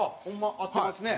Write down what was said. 合ってますね。